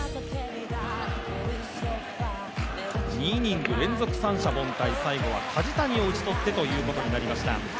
２イニング連続三者凡退最後は梶谷を打ち取ってということになりました